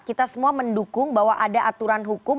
kita semua mendukung bahwa ada aturan hukum